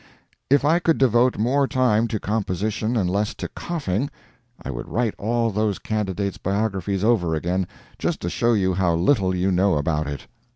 If I could devote more time to composition and less to coughing, I would write all those candidates' biographies over again, just to show you how little you know about it.